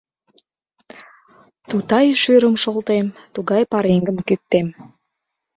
Тутай шӱрым шолтем, тугай пареҥгым кӱктем.